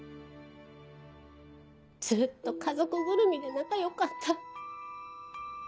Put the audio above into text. ずっと家族ぐるみで仲良かった。